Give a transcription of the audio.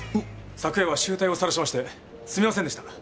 昨夜は醜態を晒しましてすみませんでした。